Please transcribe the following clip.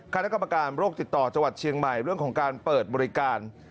คณะกรรมการโรคติดต่อจังหวัดเชียงใหม่เรื่องของการเปิดบริการ